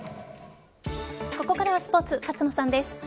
ここからはスポーツ勝野さんです。